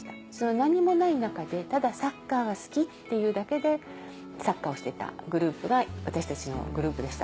何もない中でただサッカーが好きっていうだけでサッカーをしていたグループが私たちのグループでした。